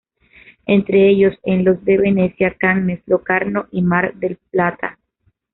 Entre ellos, en los de Venecia, Cannes, Locarno y Mar del Plata.